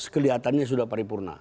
kelihatannya sudah paripurna